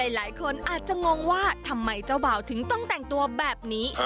หลายคนอาจจะงงว่าทำไมเจ้าบ่าวถึงต้องแต่งตัวแบบนี้